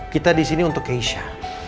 kita disini untuk keisha